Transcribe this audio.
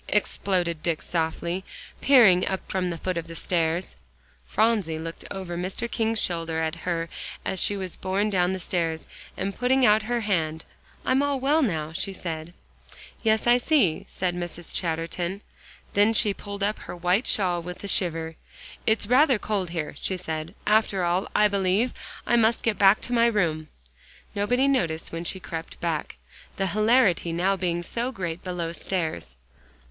exploded Dick softly, peering up from the foot of the stairs. Phronsie looked over Mr. King's shoulder at her as she was borne down the stairs, and, putting out her hand, "I'm all well now," she said. "Yes, I see," said Mrs. Chatterton. Then she pulled up her white shawl with a shiver. "It's rather cold here," she said; "after all, I believe I must get back to my room." Nobody noticed when she crept back, the hilarity now being so great below stairs.